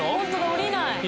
下りない。